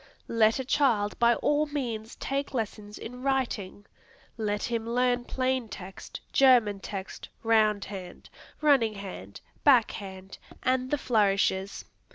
Let a child by all means take lessons in writing. Let him learn plain text, German text, round hand, running hand, back hand, and the flourishes.